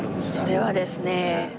それはですね